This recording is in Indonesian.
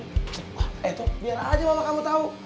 wah eh tuh biar aja mama kamu tau